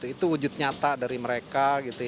itu wujud nyata dari mereka